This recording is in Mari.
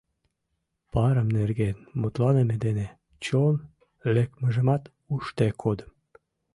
— Парым нерген мутланыме дене чон лекмыжымат ужде кодым.